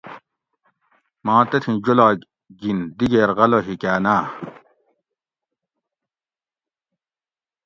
ماں تتھیں جولاگ گِن دیگیر غلہ ہیکاۤ ناۤ